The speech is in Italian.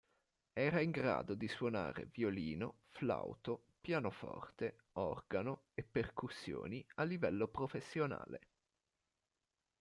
Era in grado si suonare violino, flauto, pianoforte, organo e percussioni a livello professionale.